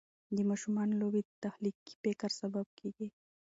د ماشومانو لوبې د تخلیقي فکر سبب کېږي.